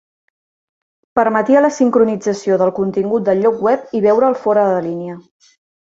Permetia la sincronització del contingut del lloc web i veure'l fora de línia.